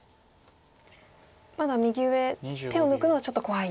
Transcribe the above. まだ右上手を抜くのはちょっと怖い。